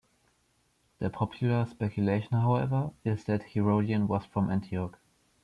The popular speculation, however, is that Herodian was from Antioch.